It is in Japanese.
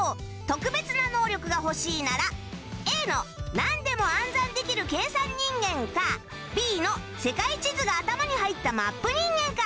特別な能力が欲しいなら Ａ のなんでも暗算できる計算人間か Ｂ の世界地図が頭に入ったマップ人間か